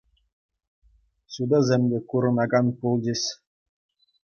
Ҫутӑсем те курӑнакан пулчӗҫ.